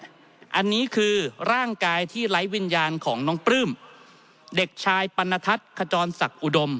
อันนี้คือร่างกายที่ไร้วิญญาณของน้องปลื้มเด็กชายปรณทัศน์ขจรศักดิ์อุดม